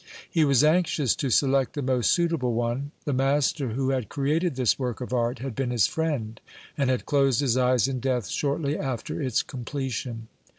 He was anxious to select the most suitable one; the master who had created this work of art had been his friend, and had closed his eyes in death shortly after its completion.